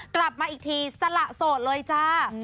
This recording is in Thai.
กลับมาอีกทีสละโสดเลยจ้า